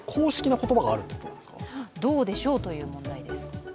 どうでしょうという問題です。